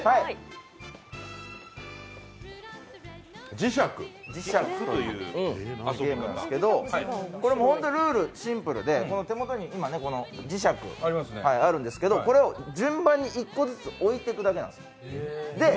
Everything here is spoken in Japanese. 侍石というゲームなんですけど本当にルールはシンプルで手元に磁石があるんですけど、これを順番に１個ずつ置いていくだけなんです。